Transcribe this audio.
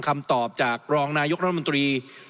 คำตอบจากรองนายกรัฐมนตรี